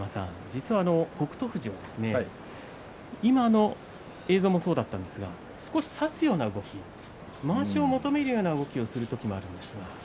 実は、北勝富士は今の映像もそうだったんですが少し差すような動きまわしを求めるような動きをすることもあります。